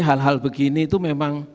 hal hal begini itu memang